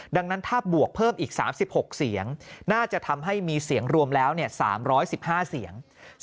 ดังนั้นถ้าบวกเพิ่มอีก๓๖เสียงน่าจะทำให้มีเสียงรวมแล้ว๓๑๕เสียง